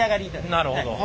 なるほど。